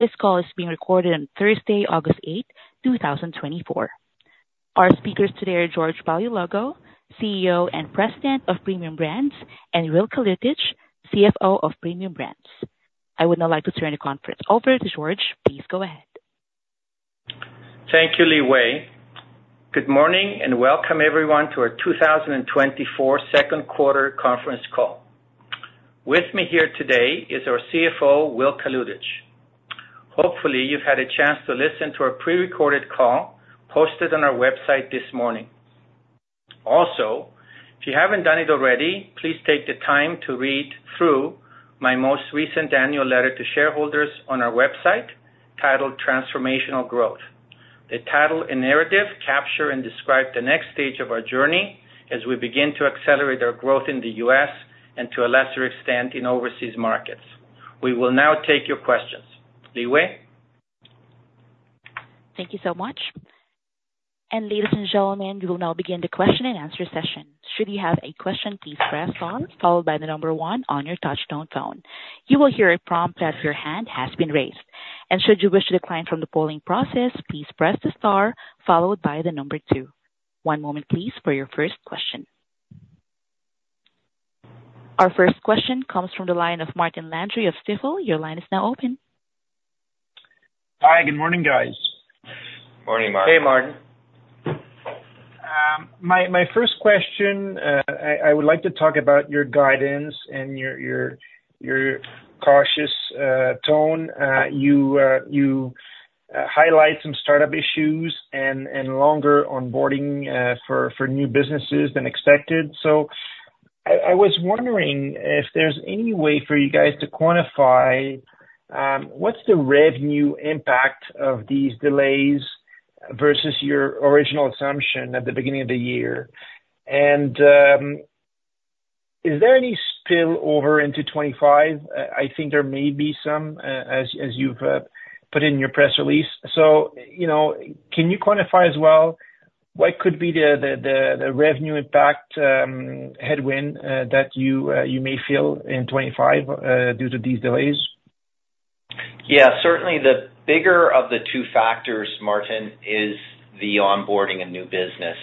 This call is being recorded on Thursday, August 8, 2024. Our speakers today are George Paleologou, CEO and President of Premium Brands, and Will Kalutycz, CFO of Premium Brands. I would now like to turn the conference over to George. Please go ahead. Thank you, Li Wei. Good morning, and welcome everyone to our 2024 second quarter conference call. With me here today is our CFO, Will Kalutycz. Hopefully, you've had a chance to listen to our prerecorded call posted on our website this morning. Also, if you haven't done it already, please take the time to read through my most recent annual letter to shareholders on our website titled Transformational Growth. The title and narrative capture and describe the next stage of our journey as we begin to accelerate our growth in the U.S. and to a lesser extent, in overseas markets. We will now take your questions. Li Wei? Thank you so much. Ladies and gentlemen, we will now begin the question and answer session. Should you have a question, please press star, followed by the number 1 on your touch-tone phone. You will hear a prompt that your hand has been raised, and should you wish to decline from the polling process, please press the star followed by the number 2. One moment, please, for your first question. Our first question comes from the line of Martin Landry of Stifel. Your line is now open. Hi, good morning, guys. Morning, Martin. Hey, Martin. My first question, I would like to talk about your guidance and your cautious tone. You highlight some startup issues and longer onboarding for new businesses than expected. So I was wondering if there's any way for you guys to quantify what's the revenue impact of these delays versus your original assumption at the beginning of the year? And is there any spillover into 25? I think there may be some, as you've put in your press release. So, you know, can you quantify as well, what could be the revenue impact headwind that you may feel in 25 due to these delays? Yeah, certainly the bigger of the two factors, Martin, is the onboarding of new business.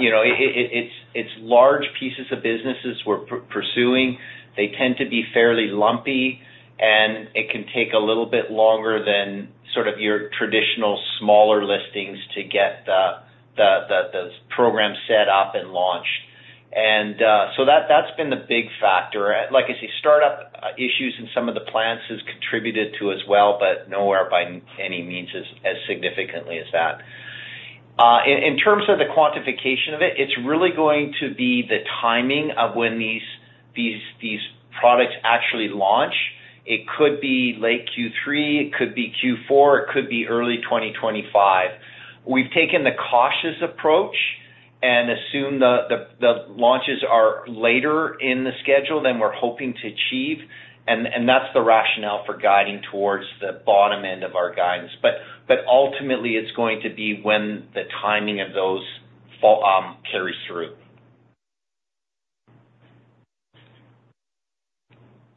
You know, it's large pieces of businesses we're pursuing. They tend to be fairly lumpy, and it can take a little bit longer than sort of your traditional smaller listings to get the program set up and launched. So that's been the big factor. Like I say, startup issues in some of the plants has contributed to as well, but nowhere by any means as significantly as that. In terms of the quantification of it, it's really going to be the timing of when these products actually launch. It could be late Q3, it could be Q4, it could be early 2025. We've taken the cautious approach and assume the launches are later in the schedule than we're hoping to achieve, and that's the rationale for guiding towards the bottom end of our guidance. But ultimately, it's going to be when the timing of those fall carries through.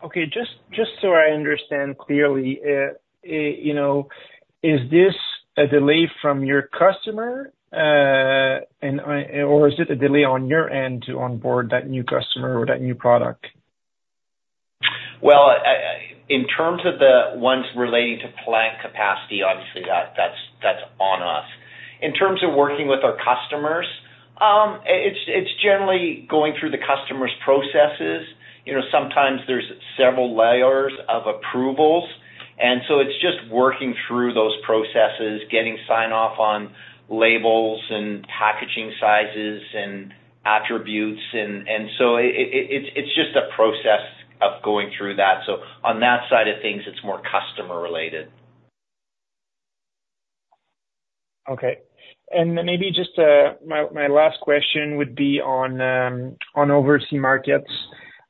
Okay, just so I understand clearly, you know, is this a delay from your customer, and, or is it a delay on your end to onboard that new customer or that new product? Well, in terms of the ones relating to plant capacity, obviously, that's on us. In terms of working with our customers, it's generally going through the customer's processes. You know, sometimes there's several layers of approvals, and so it's just working through those processes, getting sign-off on labels and packaging sizes and attributes. And so it's just a process of going through that. So on that side of things, it's more customer related. Okay. And then maybe just my last question would be on overseas markets.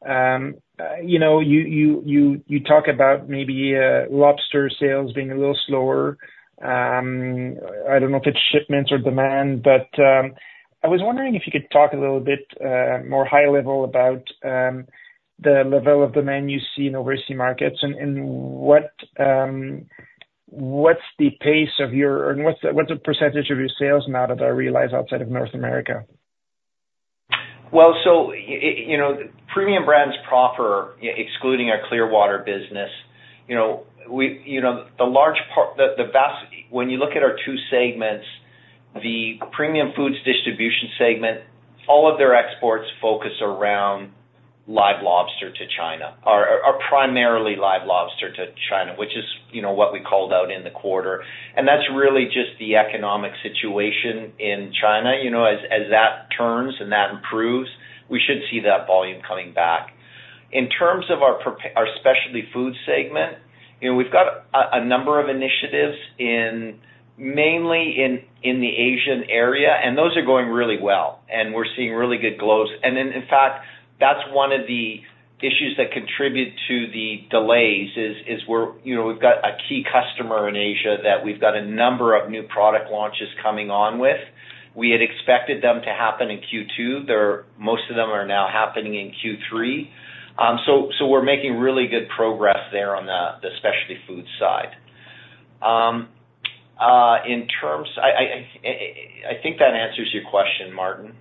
You know, you talk about maybe lobster sales being a little slower. I don't know if it's shipments or demand, but I was wondering if you could talk a little bit more high level about the level of demand you see in overseas markets and what what's the pace of your... And what's the percentage of your sales now that are realized outside of North America? Well, so, you know, Premium Brands proper, excluding our Clearwater business, you know, you know. When you look at our two segments, the Premium Food Distribution segment, all of their exports focus around live lobster to China, or primarily live lobster to China, which is, you know, what we called out in the quarter, and that's really just the economic situation in China. You know, as that turns and that improves, we should see that volume coming back. In terms of our Specialty Foods segment, you know, we've got a number of initiatives in, mainly in, the Asian area, and those are going really well, and we're seeing really good growth. And then, in fact, that's one of the issues that contribute to the delays is we're, you know, we've got a key customer in Asia that we've got a number of new product launches coming on with. We had expected them to happen in Q2. They're. Most of them are now happening in Q3. So, we're making really good progress there on the Specialty Food side. In terms, I think that answers your question, Martin.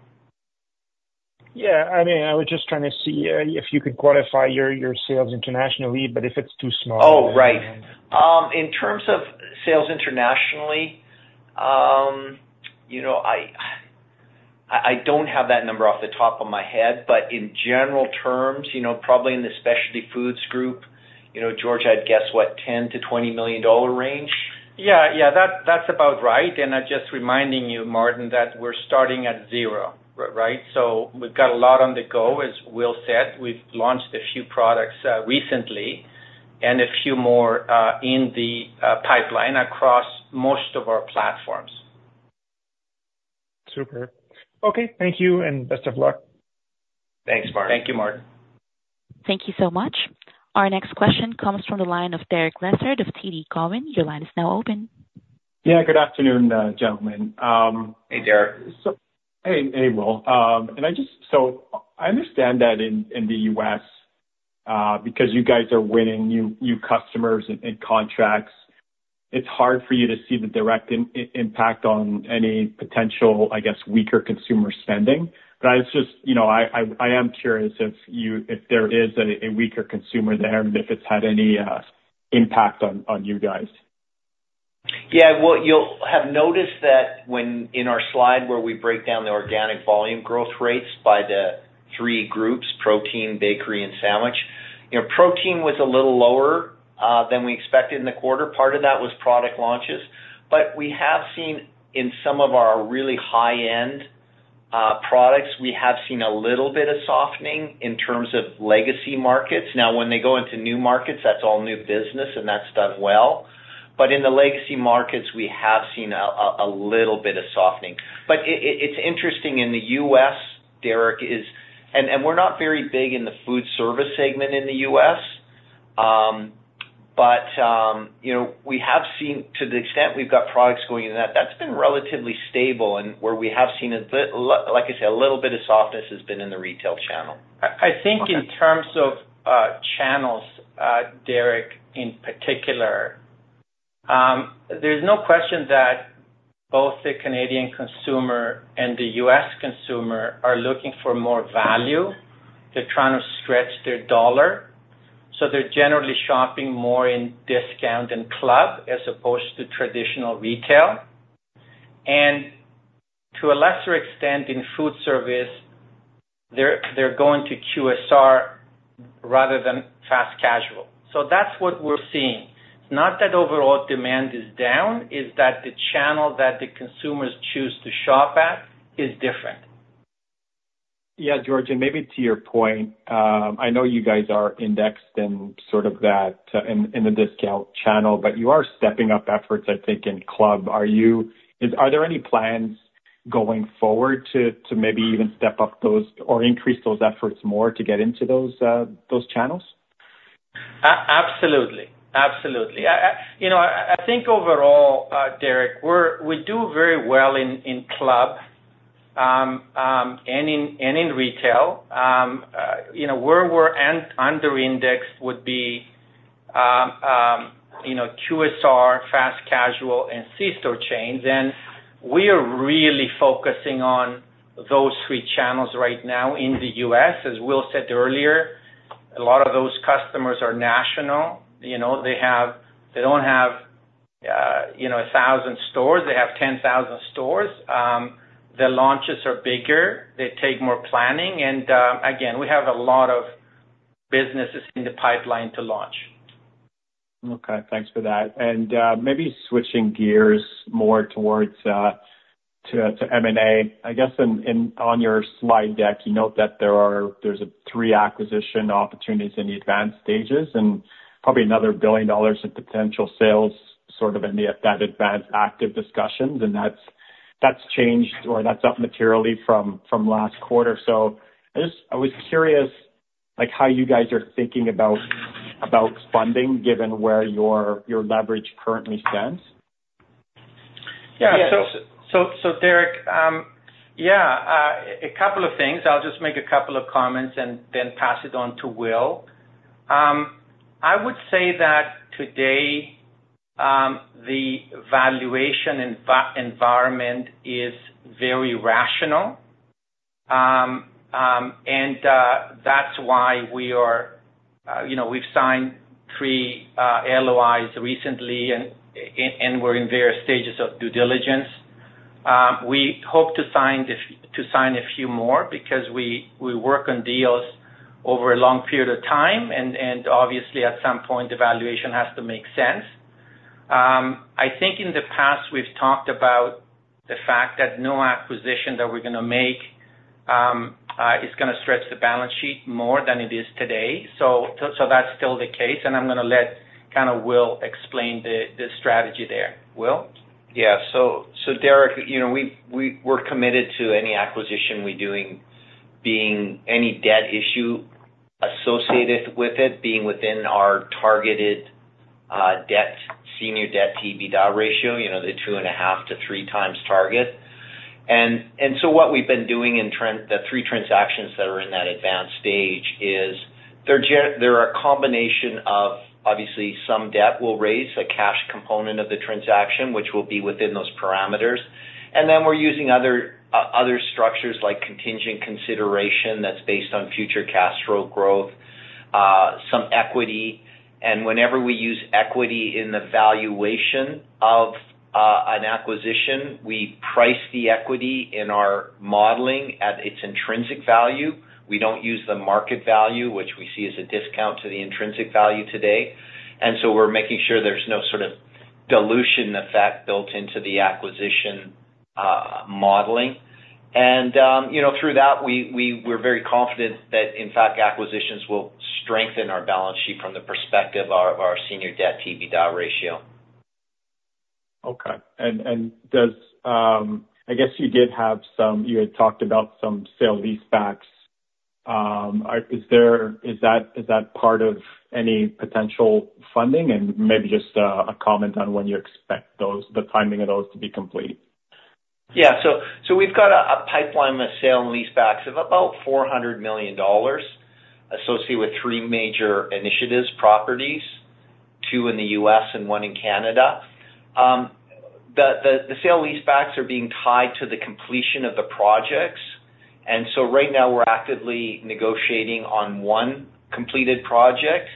Yeah, I mean, I was just trying to see if you could quantify your, your sales internationally, but if it's too small- Oh, right. Um, In terms of sales internationally, you know, I don't have that number off the top of my head, but in general terms, you know, probably in the specialty foods group, you know, George, I'd guess, what? 10 million-20 million dollar range. Yeah, yeah, that, that's about right. And I'm just reminding you, Martin, that we're starting at zero, right? So we've got a lot on the go, as Will said. We've launched a few products recently, and a few more in the pipeline across most of our platforms. Superb. Okay, thank you, and best of luck. Thanks, Martin. Thank you, Martin. Thank you so much. Our next question comes from the line of Derek Lessard of TD Cowen. Your line is now open. Yeah, good afternoon, gentlemen. Hey, Derek. Hey, hey, Will. And I just... So I understand that in the U.S., because you guys are winning new customers and contracts, it's hard for you to see the direct impact on any potential, I guess, weaker consumer spending. But I was just, you know, I am curious if there is a weaker consumer there, and if it's had any impact on you guys. Yeah, what you'll have noticed that when in our slide where we break down the organic volume growth rates by the three groups, Protein, bakery, and Sandwich, you know, Protein was a little lower than we expected in the quarter. Part of that was product launches. But we have seen in some of our really high-end products, we have seen a little bit of softening in terms of legacy markets. Now, when they go into new markets, that's all new business, and that's done well. But in the legacy markets, we have seen a little bit of softening. But it's interesting in the U.S., Derek. And we're not very big in the food service segment in the U.S. But, you know, we have seen, to the extent we've got products going into that, that's been relatively stable, and where we have seen, like I said, a little bit of softness has been in the retail channel. I think in terms of channels, Derek, in particular, there's no question that both the Canadian consumer and the U.S. consumer are looking for more value. They're trying to stretch their dollar, so they're generally shopping more in discount and club as opposed to traditional retail. And to a lesser extent, in food service, they're going to QSR rather than fast casual. So that's what we're seeing. Not that overall demand is down, it's that the channel that the consumers choose to shop at is different. Yeah, George, and maybe to your point, I know you guys are indexed in sort of that in the discount channel, but you are stepping up efforts, I think, in club. Are there any plans going forward to maybe even step up those or increase those efforts more to get into those channels? Absolutely. Absolutely. I think overall, Derek, we do very well in club and in retail. You know, where we're under indexed would be QSR, fast casual, and C-store chains, and we are really focusing on those three channels right now in the US. As Will said earlier, a lot of those customers are national, you know, they have. They don't have 1,000 stores, they have 10,000 stores. Their launches are bigger, they take more planning, and again, we have a lot of businesses in the pipeline to launch. Okay, thanks for that. And, maybe switching gears more towards, to, to M&A. I guess in, in, on your slide deck, you note that there are—there's three acquisition opportunities in the advanced stages, and probably another 1 billion dollars in potential sales, sort of in the, at that advanced active discussions, and that's, that's changed or that's up materially from, from last quarter. So I just—I was curious, like, how you guys are thinking about, about funding, given where your, your leverage currently stands? Yeah. So, Derek, yeah, a couple of things. I'll just make a couple of comments and then pass it on to Will. I would say that today, the valuation environment is very rational. And that's why we are, you know, we've signed three LOIs recently, and we're in various stages of due diligence. We hope to sign a few more because we work on deals over a long period of time, and obviously, at some point, the valuation has to make sense. I think in the past, we've talked about the fact that no acquisition that we're gonna make is gonna stretch the balance sheet more than it is today. So that's still the case, and I'm gonna let kinda Will explain the strategy there. Will? Yeah. So, Derek, you know, we're committed to any acquisition we're doing, any debt associated with it being within our targeted debt, senior debt to EBITDA ratio, you know, the 2.5-3 times target. And so what we've been doing in the 3 transactions that are in that advanced stage is they're a combination of obviously some debt we'll raise, a cash component of the transaction, which will be within those parameters. And then we're using other structures like contingent consideration that's based on future cash flow growth, some equity. And whenever we use equity in the valuation of an acquisition, we price the equity in our modeling at its intrinsic value. We don't use the market value, which we see as a discount to the intrinsic value today. And so we're making sure there's no sort of dilution effect built into the acquisition modeling. And, you know, through that, we're very confident that, in fact, acquisitions will strengthen our balance sheet from the perspective of our senior debt to EBITDA ratio. Okay. And does, I guess you did have some, you had talked about some sale-leasebacks. Is that, is that part of any potential funding? And maybe just, a comment on when you expect those, the timing of those to be complete. Yeah. We've got a pipeline of sale-leasebacks of about 400 million dollars associated with three major initiatives, properties, two in the US and one in Canada. The sale-leasebacks are being tied to the completion of the projects. And so right now we're actively negotiating on one completed project,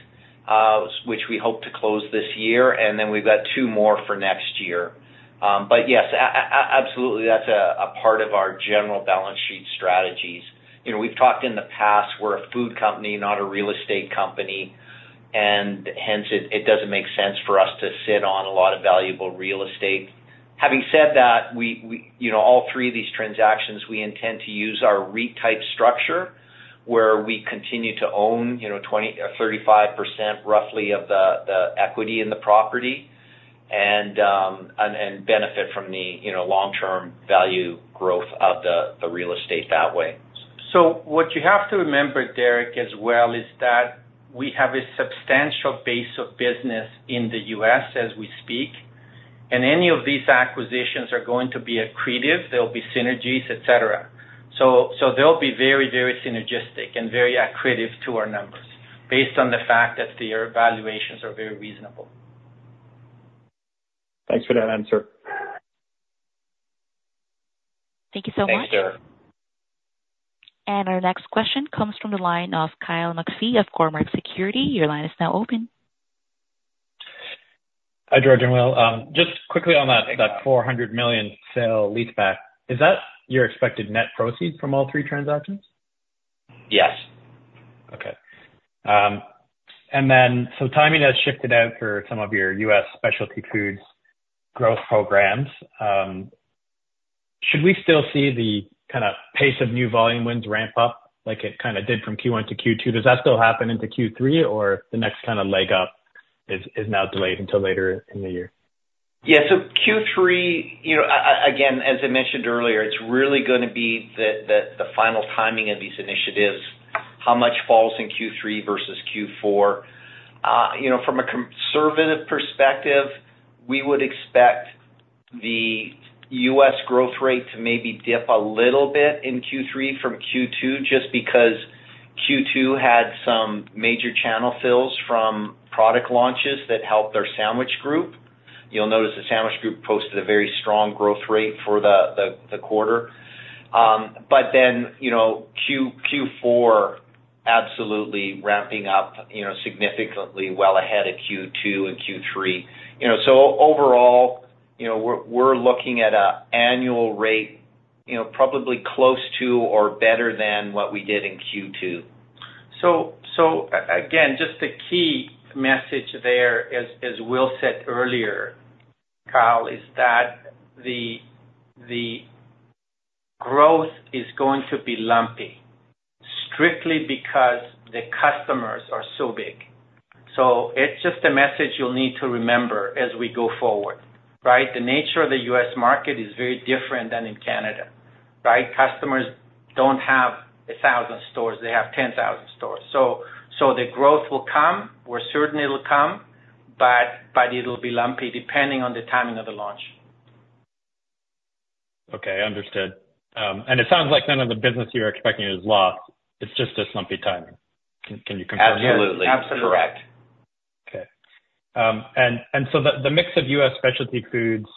which we hope to close this year, and then we've got two more for next year. But yes, absolutely, that's a part of our general balance sheet strategies. You know, we've talked in the past, we're a food company, not a real estate company, and hence, it doesn't make sense for us to sit on a lot of valuable real estate. Having said that, you know, all three of these transactions, we intend to use our REIT type structure, where we continue to own, you know, 20 or 35% roughly of the equity in the property and benefit from the, you know, long-term value growth of the real estate that way. What you have to remember, Derek, as well, is that we have a substantial base of business in the U.S. as we speak, and any of these acquisitions are going to be accretive, there'll be synergies, et cetera. So, they'll be very, very synergistic and very accretive to our numbers based on the fact that their valuations are very reasonable. Thanks for that answer. Thank you so much. Thanks, Derek. Our next question comes from the line of Kyle McPhee of Cormark Securities. Your line is now open. Hi, George and Will. Just quickly on that, that 400 million sale-leaseback, is that your expected net proceeds from all three transactions? Yes. Okay. And then, so timing has shifted out for some of your U.S. Specialty Foods growth programs. Should we still see the kind of pace of new volume wins ramp up like it kind of did from Q1 to Q2? Does that still happen into Q3, or the next kind of leg up is now delayed until later in the year? Yeah. So Q3, you know, again, as I mentioned earlier, it's really gonna be the final timing of these initiatives, how much falls in Q3 versus Q4. From a conservative perspective, we would expect the U.S. growth rate to maybe dip a little bit in Q3 from Q2, just because Q2 had some major channel fills from product launches that helped our sandwich group. You'll notice the sandwich group posted a very strong growth rate for the quarter. But then, you know, Q4, absolutely ramping up, you know, significantly well ahead of Q2 and Q3. You know, so overall, you know, we're looking at an annual rate, you know, probably close to or better than what we did in Q2. So, again, just the key message there, as Will said earlier, Kyle, is that the growth is going to be lumpy, strictly because the customers are so big. So it's just a message you'll need to remember as we go forward, right? The nature of the U.S. market is very different than in Canada, right? Customers don't have 1,000 stores, they have 10,000 stores. So the growth will come, we're certain it'll come, but it'll be lumpy depending on the timing of the launch. Okay, understood. And it sounds like none of the business you're expecting is lost, it's just a lumpy timing. Can you confirm? Absolutely. Absolutely correct. Okay. And so the mix of U.S. specialty foods,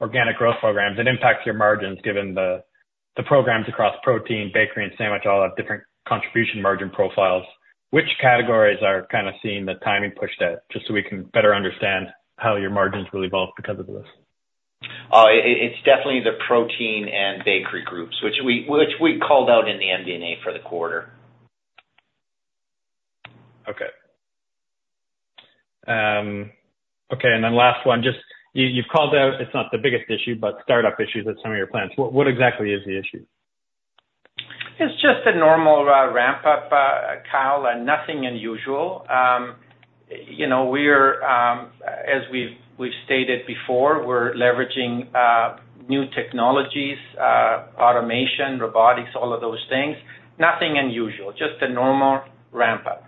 organic growth programs, it impacts your margins given the programs across Protein, Bakery, and Sandwich all have different contribution margin profiles. Which categories are kind of seeing the timing pushed out, just so we can better understand how your margins really evolved because of this? It's definitely the protein and bakery groups, which we called out in the MD&A for the quarter. Okay. Okay, and then last one, just, you, you've called out it's not the biggest issue, but startup issues at some of your plants. What exactly is the issue? It's just a normal ramp-up, Kyle, and nothing unusual. You know, we're, as we've, we've stated before, we're leveraging new technologies, automation, robotics, all of those things. Nothing unusual, just a normal ramp up.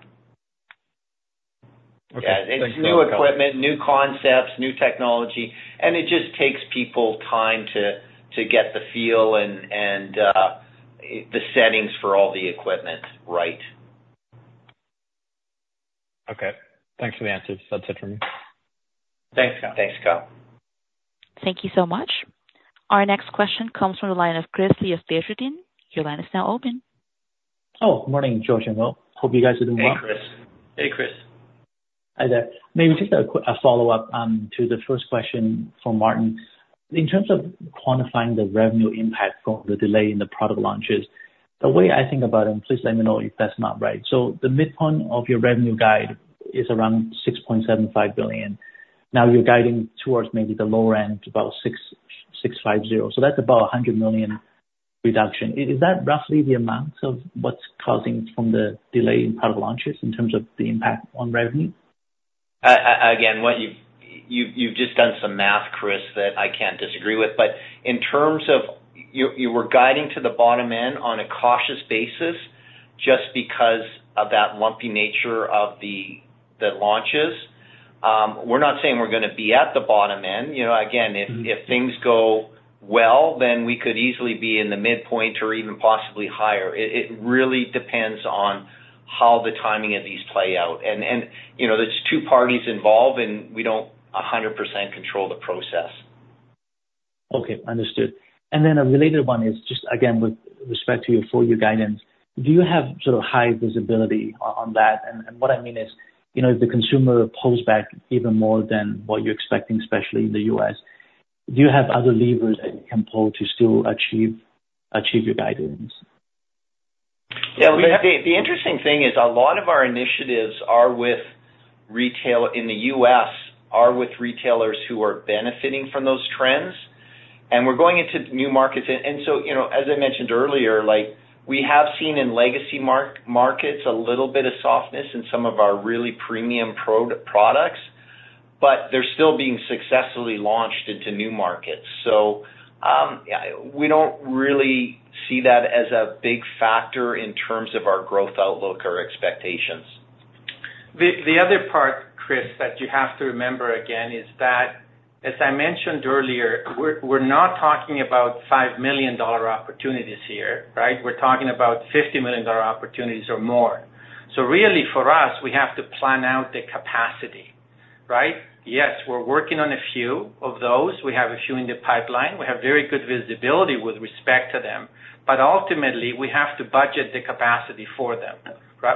Okay. Yeah, it's new equipment, new concepts, new technology, and it just takes people time to get the feel and the settings for all the equipment right. Okay, thanks for the answers. That's it for me. Thanks, Kyle. Thanks, Kyle. Thank you so much. Our next question comes from the line of Chris of Desjardins. Your line is now open. Oh, morning, George and Will. Hope you guys are doing well. Hey, Chris. Hey, Chris. Hi there. Maybe just a quick follow-up to the first question from Martin. In terms of quantifying the revenue impact from the delay in the product launches, the way I think about them, please let me know if that's not right. So the midpoint of your revenue guide is around 6.75 billion. Now, you're guiding towards maybe the lower end, about 6.65 billion. So that's about a 100 million reduction. Is that roughly the amount of what's causing from the delay in product launches in terms of the impact on revenue? Again, what you've... You've just done some math, Chris, that I can't disagree with. But in terms of you were guiding to the bottom end on a cautious basis just because of that lumpy nature of the launches. We're not saying we're gonna be at the bottom end. You know, again, if- Mm-hmm. If things go well, then we could easily be in the midpoint or even possibly higher. It really depends on how the timing of these play out, and you know, there's two parties involved, and we don't 100% control the process. Okay, understood. And then a related one is, just again, with respect to your full year guidance, do you have sort of high visibility on that? And what I mean is, you know, if the consumer pulls back even more than what you're expecting, especially in the U.S., do you have other levers that you can pull to still achieve your guidance? Yeah, the interesting thing is a lot of our initiatives are with retail in the U.S., are with retailers who are benefiting from those trends, and we're going into new markets. And so, you know, as I mentioned earlier, like, we have seen in legacy markets a little bit of softness in some of our really premium products, but they're still being successfully launched into new markets. So, yeah, we don't really see that as a big factor in terms of our growth outlook or expectations. The other part, Chris, that you have to remember, again, is that, as I mentioned earlier, we're not talking about 5 million dollar opportunities here, right? We're talking about 50 million dollar opportunities or more. So really, for us, we have to plan out the capacity, right? Yes, we're working on a few of those. We have a few in the pipeline. We have very good visibility with respect to them, but ultimately, we have to budget the capacity for them,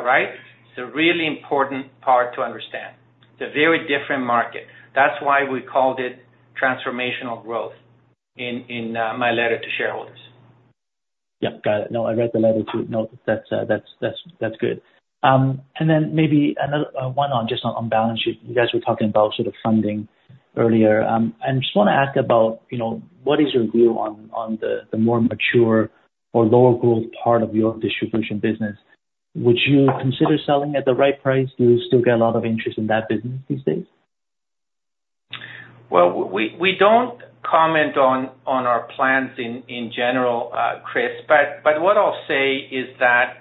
right? It's a really important part to understand. It's a very different market. That's why we called it transformational growth in my letter to shareholders. Yep, got it. No, I read the letter too. No, that's good. And then maybe another one on just on balance sheet. You guys were talking about sort of funding earlier. I just want to ask about, you know, what is your view on the more mature or lower growth part of your distribution business? Would you consider selling at the right price? Do you still get a lot of interest in that business these days? Well, we don't comment on our plans in general, Chris, but what I'll say is that,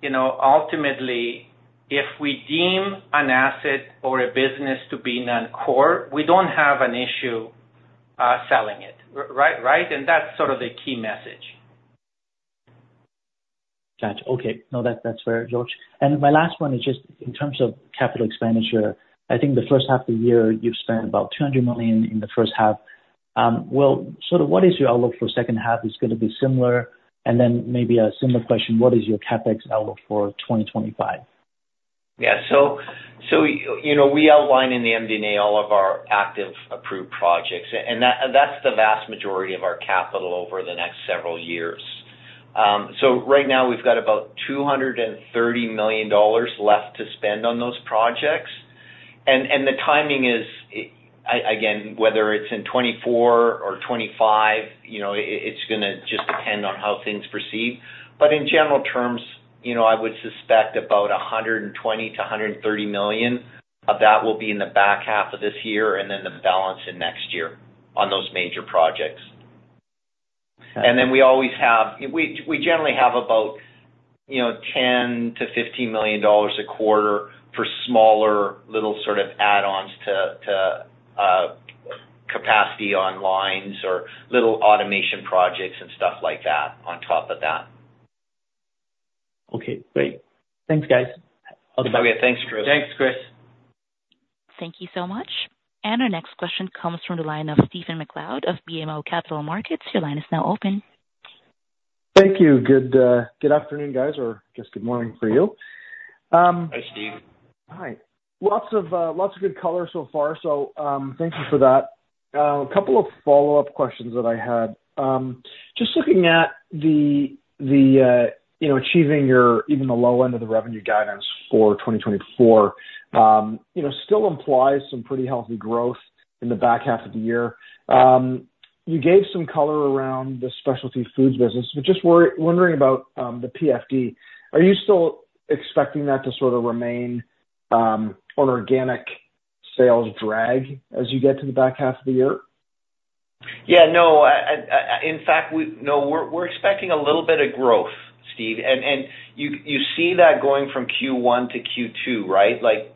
you know, ultimately, if we deem an asset or a business to be non-core, we don't have an issue selling it, right? And that's sort of the key message. Gotcha. Okay. No, that, that's fair, George. And my last one is just in terms of capital expenditure, I think the first half of the year, you've spent about 200 million in the first half. Well, so what is your outlook for second half? Is it gonna be similar? And then maybe a similar question, what is your CapEx outlook for 2025? Yeah. So, you know, we outlined in the MD&A all of our active approved projects, and that, that's the vast majority of our capital over the next several years. So right now, we've got about 230 million dollars left to spend on those projects. And the timing is, again, whether it's in 2024 or 2025, you know, it's gonna just depend on how things proceed. But in general terms, you know, I would suspect about 120 million-130 million of that will be in the back half of this year, and then the balance in next year on those major projects. Got it. Then we always have... We generally have about, you know, 10 million-15 million dollars a quarter for smaller, little sort of add-ons to capacity on lines or little automation projects and stuff like that on top of that. Okay, great. Thanks, guys. I'll get back. Okay, thanks, Chris. Thanks, Chris. Thank you so much. Our next question comes from the line of Stephen MacLeod of BMO Capital Markets. Your line is now open. Thank you. Good afternoon, guys, or just good morning for you. Hi, Steve. Hi. Lots of good color so far, so thank you for that. A couple of follow-up questions that I had. Just looking at the you know, achieving your even the low end of the revenue guidance for 2024, you know, still implies some pretty healthy growth in the back half of the year. You gave some color around the Specialty Foods business, but just wondering about the PFD. Are you still expecting that to sort of remain on organic sales drag as you get to the back half of the year? Yeah, no, in fact, no, we're expecting a little bit of growth, Steve. And you see that going from Q1 to Q2, right? Like,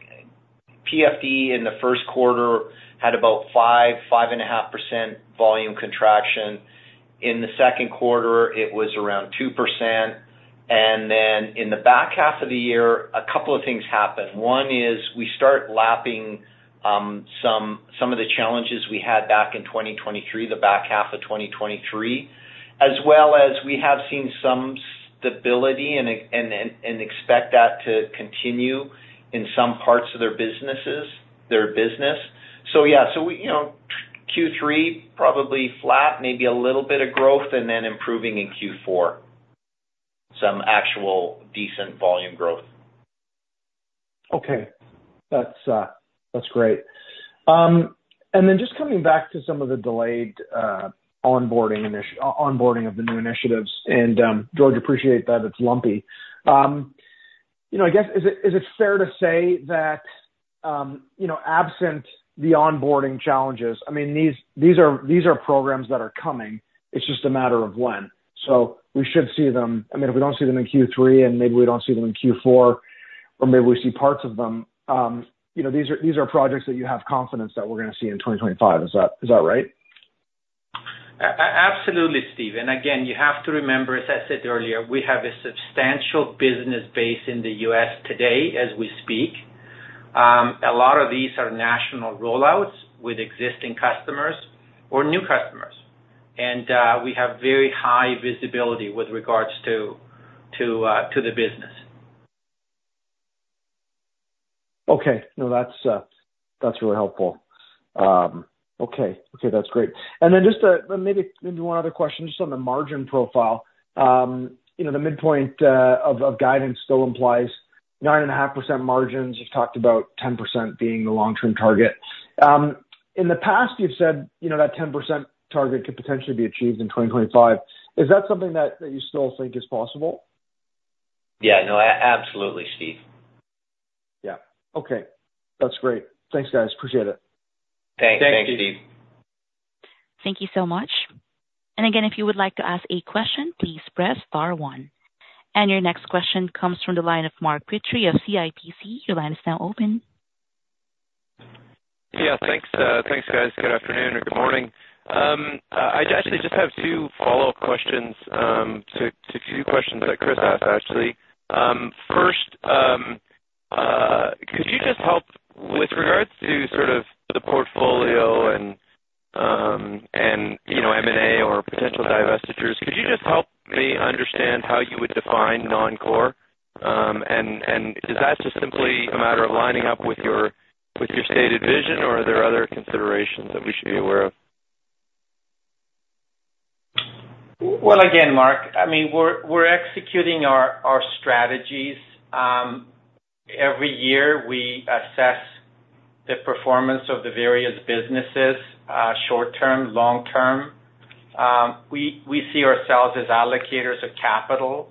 PFD in the first quarter had about 5, 5.5% volume contraction. In the second quarter, it was around 2%. And then in the back half of the year, a couple of things happen. One is we start lapping some of the challenges we had back in 2023, the back half of 2023, as well as we have seen some stability and expect that to continue in some parts of their businesses, their business. So yeah, so we, you know, Q3, probably flat, maybe a little bit of growth, and then improving in Q4, some actual decent volume growth. Okay. That's, that's great. And then just coming back to some of the delayed onboarding of the new initiatives, and, George, appreciate that it's lumpy. You know, I guess, is it, is it fair to say that, you know, absent the onboarding challenges, I mean, these, these are, these are programs that are coming, it's just a matter of when. So we should see them... I mean, if we don't see them in Q3, and maybe we don't see them in Q4, or maybe we see parts of them, you know, these are, these are projects that you have confidence that we're gonna see in 2025. Is that, is that right? Absolutely, Steve. And again, you have to remember, as I said earlier, we have a substantial business base in the U.S. today as we speak. A lot of these are national rollouts with existing customers or new customers, and we have very high visibility with regards to, to, to the business. Okay. No, that's, that's really helpful. Okay, okay, that's great. And then just, maybe, maybe one other question, just on the margin profile. You know, the midpoint of guidance still implies 9.5% margins. You've talked about 10% being the long-term target. In the past, you've said, you know, that 10% target could potentially be achieved in 2025. Is that something that you still think is possible? Yeah, no, absolutely, Steve. Yeah. Okay. That's great. Thanks, guys. Appreciate it. Thanks. Thanks, Steve. Thank you so much. And again, if you would like to ask a question, please press star one. And your next question comes from the line of Mark Petrie of CIBC. Your line is now open. Yeah, thanks, thanks, guys. Good afternoon or good morning. I just actually just have two follow-up questions, to two questions that Chris asked, actually. First, could you just help with regards to sort of the portfolio and, and, you know, M&A or potential divestitures, could you just help me understand how you would define non-core? And is that just simply a matter of lining up with your stated vision, or are there other considerations that we should be aware of? Well, again, Mark, I mean, we're executing our strategies. Every year, we assess the performance of the various businesses, short term, long term. We see ourselves as allocators of capital.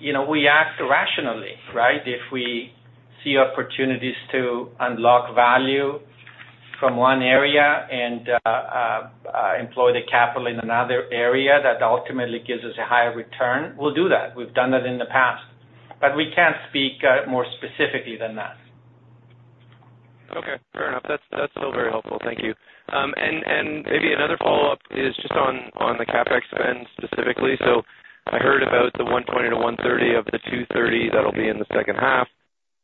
You know, we act rationally, right? If we see opportunities to unlock value from one area and employ the capital in another area that ultimately gives us a higher return, we'll do that. We've done that in the past, but we can't speak more specifically than that. Okay, fair enough. That's, that's still very helpful. Thank you. And maybe another follow-up is just on the CapEx spend specifically. So I heard about the 120-130 of the 230, that'll be in the second half,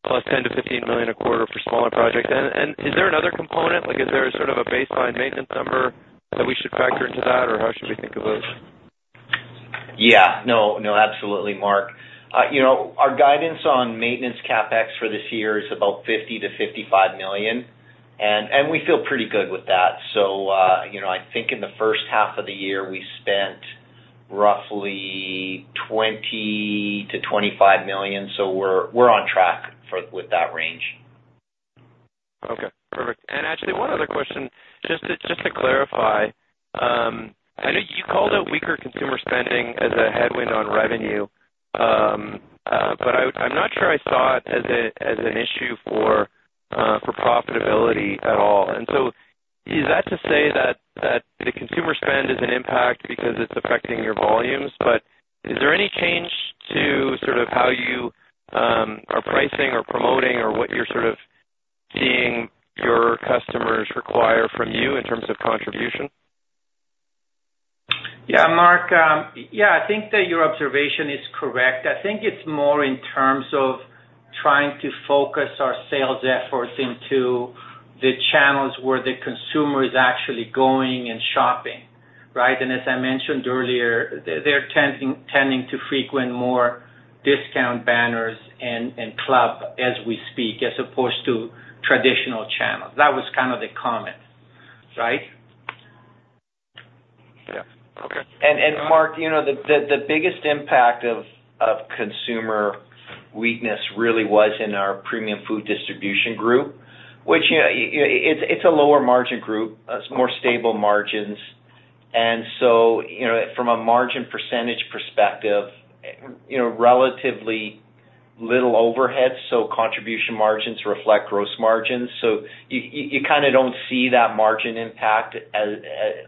plus 10 million-15 million a quarter for smaller projects. And is there another component, like is there sort of a baseline maintenance number that we should factor into that, or how should we think of those? Yeah. No, no, absolutely, Mark. You know, our guidance on maintenance CapEx for this year is about 50-55 million, and we feel pretty good with that. So, you know, I think in the first half of the year, we spent roughly 20-25 million, so we're on track with that range. Okay, perfect. And actually, one other question, just to clarify, I know you called out weaker consumer spending as a headwind on revenue, but I'm not sure I saw it as an issue for profitability at all. And so is that to say that the consumer spend is an impact because it's affecting your volumes, but is there any change to sort of how you are pricing or promoting or what you're sort of seeing your customers require from you in terms of contribution? Yeah, Mark, yeah, I think that your observation is correct. I think it's more in terms of trying to focus our sales efforts into the channels where the consumer is actually going and shopping, right? And as I mentioned earlier, they're tending to frequent more discount banners and club as we speak, as opposed to traditional channels. That was kind of the comment, right?... Yeah. Okay. Mark, you know, the biggest impact of consumer weakness really was in our premium food distribution group, which, you know, it's a lower margin group, it's more stable margins. And so, you know, from a margin percentage perspective, you know, relatively little overhead, so contribution margins reflect gross margins. So you kinda don't see that margin impact as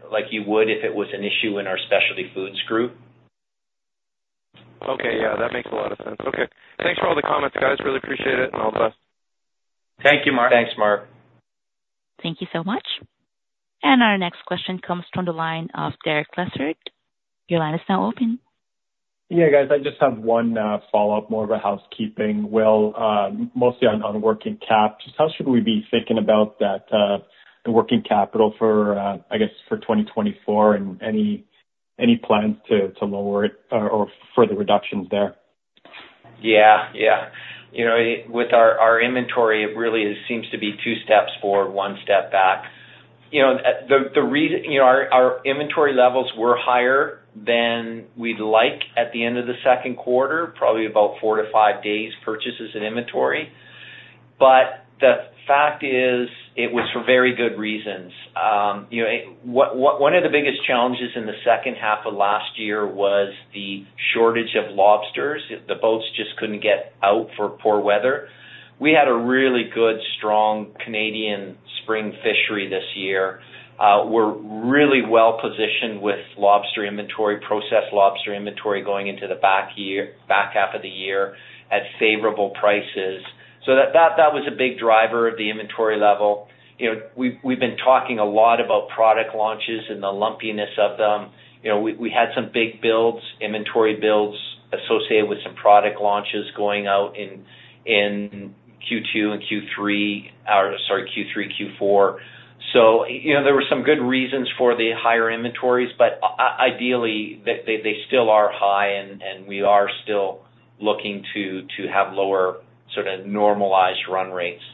like you would if it was an issue in our specialty foods group. Okay. Yeah, that makes a lot of sense. Okay. Thanks for all the comments, guys. Really appreciate it, and all the best. Thank you, Mark. Thanks, Mark. Thank you so much. Our next question comes from the line of Derek Lessard. Your line is now open. Yeah, guys, I just have one follow-up, more of a housekeeping. Well, mostly on working cap. Just how should we be thinking about that, the working capital for, I guess, for 2024, and any plans to lower it, or further reductions there? Yeah, yeah. You know, with our, our inventory, it really seems to be two steps forward, one step back. You know, the reason. You know, our, our inventory levels were higher than we'd like at the end of the second quarter, probably about 4-5 days purchases in inventory. But the fact is, it was for very good reasons. You know, it. One of the biggest challenges in the second half of last year was the shortage of lobsters. The boats just couldn't get out for poor weather. We had a really good, strong Canadian spring fishery this year. We're really well positioned with lobster inventory, processed lobster inventory, going into the back year, back half of the year at favorable prices. So that was a big driver of the inventory level. You know, we've been talking a lot about product launches and the lumpiness of them. You know, we had some big builds, inventory builds, associated with some product launches going out in Q2 and Q3, or sorry, Q3, Q4. So, you know, there were some good reasons for the higher inventories, but ideally, they still are high, and we are still looking to have lower sort of normalized run rates.